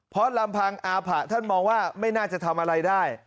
เพราะลำพังอาผะท่านมองว่าไม่น่าจะทำอะไรได้